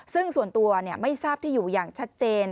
ซึ่งส่วนตัวไม่ทราบที่อยู่อย่างชัดเจน